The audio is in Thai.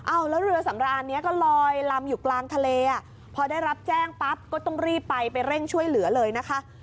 เอาแล้วเรือสำรานนี้ก็ลอยลำอยู่กลางทะเลอ่ะพอได้รับแจ้งปั๊บก็ต้องรีบไปไปเร่งช่วยเหลือเลยนะคะ